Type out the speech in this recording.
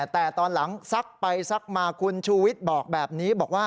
แต่ตอนหลังซักไปซักมาคุณชูวิทย์บอกแบบนี้บอกว่า